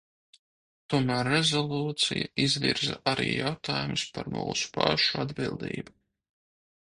Tomēr rezolūcija izvirza arī jautājumus par mūsu pašu atbildību.